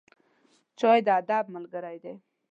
چای د ادب ملګری دی.